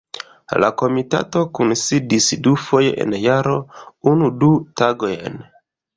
La Komitato kunsidis dufoje en jaro, unu-du tagojn.